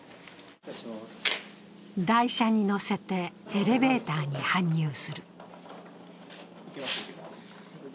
台車に載せて、エレベーターに搬入する。